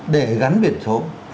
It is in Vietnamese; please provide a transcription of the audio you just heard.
để gắn biển số